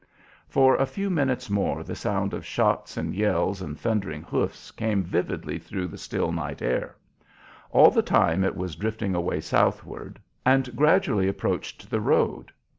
For a few minutes more the sound of shots and yells and thundering hoofs came vividly through the still night air. All the time it was drifting away southward, and gradually approached the road.